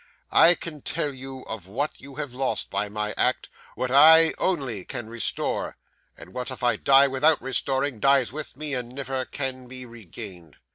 'I can tell you of what you have lost by my act, what I only can restore, and what, if I die without restoring, dies with me, and never can be regained.